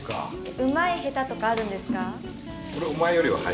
うまい下手とかあるんですか？